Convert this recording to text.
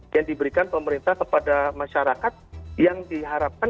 yang diberikan pemerintah kepada masyarakat yang diharapkan